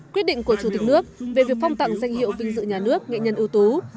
quyết định của chủ tịch nước về việc phong tặng danh hiệu vinh dự nhà nước nghệ nhân ưu tú